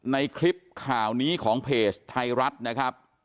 ในคลิปข่าวนี้ของเพจไทยรัฐนะครับ